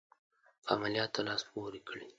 په عملیاتو لاس پوري کړي.